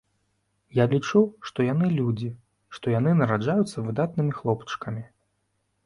Я лічу, што яны людзі, што яны нараджаюцца выдатнымі хлопчыкамі.